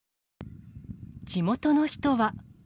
地元の人は。